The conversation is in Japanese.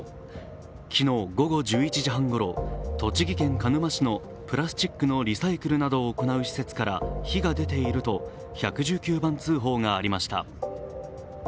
昨日午後１１時半ごろ、栃木県鹿沼市のプラスチックのリサイクルなどを行う施設から火が出ていると１１９番通報がありました。